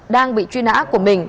đang bị truy nã của mình